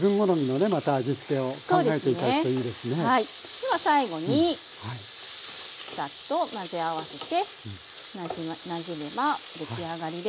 では最後にサッと混ぜ合わせてなじめば出来上がりです。